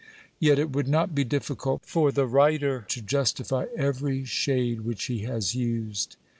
Yet it would not be difficult for the writer to justify every shade which he has used.